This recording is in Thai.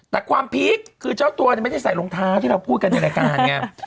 แต่ความพีคคือเจ้าตัวไม่ได้ใส่รองเท้าที่เราพูดกันในรายการไง